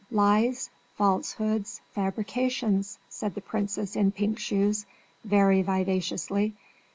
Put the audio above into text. Lies, falsehoods, fabrications!" said the princess in pink shoes, very vivaciously.